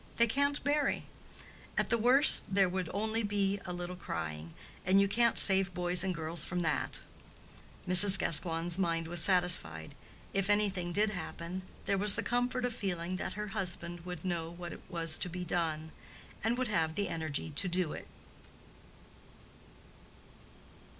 They can't marry. At the worst there would only be a little crying, and you can't save boys and girls from that." Mrs. Gascoigne's mind was satisfied: if anything did happen, there was the comfort of feeling that her husband would know what was to be done, and would have the energy to do it.